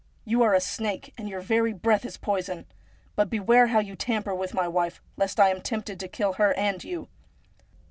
You are a snake, and your very breath is poison ! But beware how you tamper with my wife, lest I am tempted to kill her and you.